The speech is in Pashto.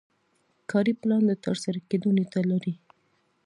کاري پلان د ترسره کیدو نیټه لري.